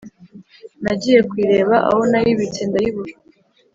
Nagiye kuyireba aho nayibitse ndayibura